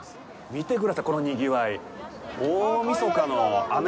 見てください、このにぎわい。